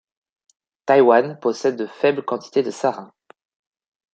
Taiwan possède de faibles quantités de sarin.